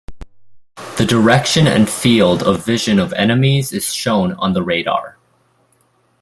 The direction and field of vision of enemies is shown on the radar.